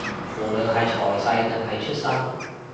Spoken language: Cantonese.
無論係財勢，定係出身